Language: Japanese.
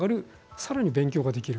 さらに勉強ができる。